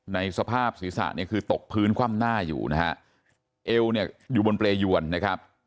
ในสภาพศีรษะเนี่ยคือตกพื้นคว่ำหน้าอยู่นะฮะเอวเนี่ยอยู่บนเปรยวนนะครับ